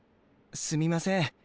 すみません